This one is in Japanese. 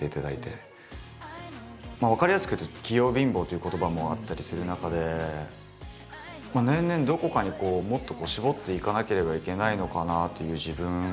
分かりやすく言うと「器用貧乏」という言葉もあったりする中で年々どこかにこうもっと絞っていかなければいけないのかなという自分。